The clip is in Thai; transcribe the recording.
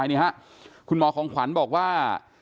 นี่ฮะคุณหมอของขวัญบอกว่า